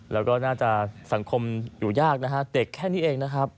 แล้วก็น่าจะสังคมอยู่ยากนะฮะเด็กแค่นี้เองนะครับ